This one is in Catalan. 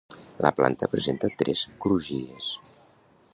La planta presenta tres crugies.